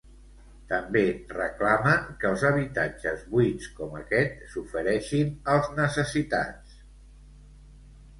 També reclamen que els habitatges buits com aquest s'ofereixin als necessitats.